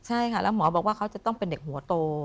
ใช่ค่ะแล้วหมอบอกว่าเขาจะต้องเป็นเด็กหัวโต